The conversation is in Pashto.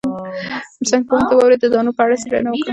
ساینس پوهانو د واورې د دانو په اړه څېړنه وکړه.